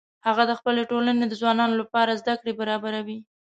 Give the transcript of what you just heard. هغه د خپلې ټولنې د ځوانانو لپاره زده کړې برابروي